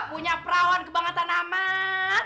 punya perawan kebangga tanaman